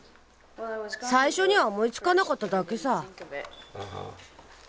最初には思いつかなかっただけさ。